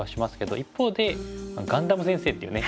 一方でガンダム先生っていうね